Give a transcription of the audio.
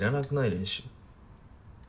練習。